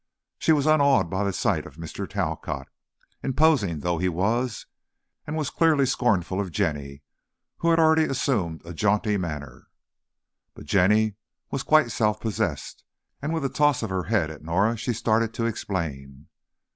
She was unawed by the sight of Mr. Talcott, imposing though he was, and was clearly scornful of Jenny, who had already assumed a jaunty manner. But Jenny was quite self possessed, and with a toss of her head at Norah she started to explain.